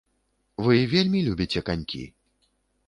Вы вельмі любіце канькі?